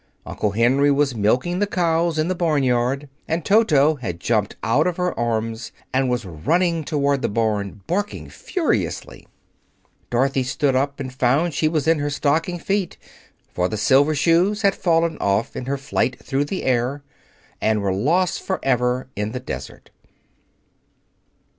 Uncle Henry was milking the cows in the barnyard, and Toto had jumped out of her arms and was running toward the barn, barking furiously. Dorothy stood up and found she was in her stocking feet. For the Silver Shoes had fallen off in her flight through the air, and were lost forever in the desert.